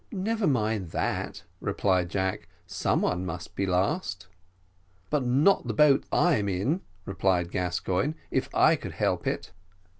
"Never mind that," replied Jack; "some one must be last." "But not the boat I am in," replied Gascoigne; "if I could help it."